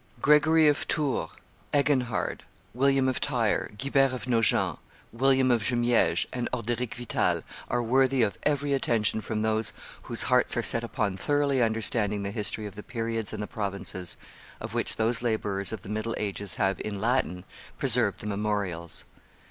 Gregory of Tours, Eginhard, William of Tyre, Guibert of Nogent, William of Jumieges, and Orderic Vital are worthy of every attention from those whose hearts are set upon thoroughly understanding the history of the periods and the provinces of which those laborers of the middle ages have, in Latin, preserved the memorials.